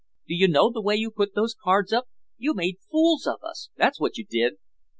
Do you know the way you put those cards up? You made fools of us, that's what you did!"